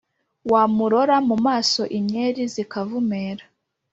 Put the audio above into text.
Wamurora mu maso Inyeri zikavumera,